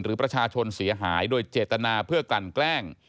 หรือประชาชนเสียหายโดยเจตนาเพื่อกลั่นแกล้ง